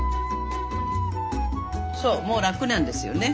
そうもう楽なんですよね。